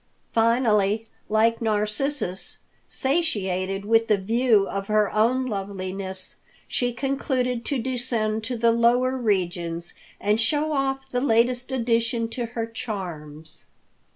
Finally, like Narcissus, satiated with the view of her own loveliness, she concluded to descend to the lower regions and show off the latest addition to her charms.